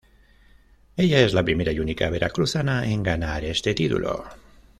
Ella es la primera y única Veracruzana en ganar este título.